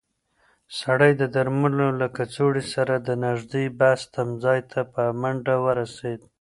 سړی د درملو له کڅوړې سره د نږدې بس تمځای ته په منډه ورسېد.